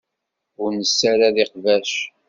Ur nessared iqbac.